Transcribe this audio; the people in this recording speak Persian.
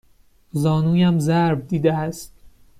زانویم ضرب دیده است.